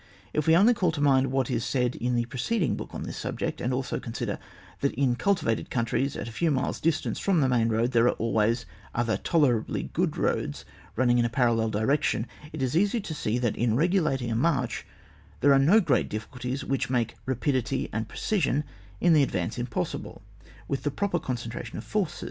If we only call to mind what has been said in the preceding book on this subject, and also consider that in cultivated countries at a few miles distance from the main road there are always other tolerably good roads run ning in a parallel direction, it is easy to see that, in regulating a march, there are no great difficulties which make rapidity and precision in the advance incompatible with the proper concentration offeree.